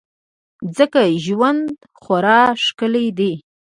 ځکه ژوند خورا ښکلی دی.